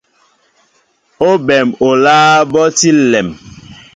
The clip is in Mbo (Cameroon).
Óɓem oláá ɓɔ tí nlem.